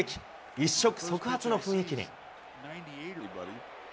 一触即発の雰囲気に。